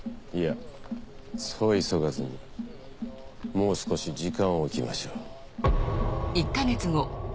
いやそう急がずにもう少し時間を置きましょう。